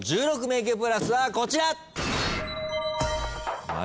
１６迷宮プラスはこちら。